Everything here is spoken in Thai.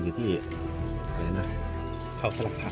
ตอนนี้เจออะไรบ้างครับ